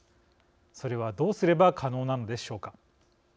それはどうすれば可能なのでしょうか。